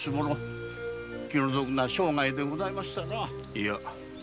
いや。